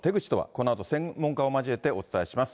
このあと専門家を交えてお伝えします。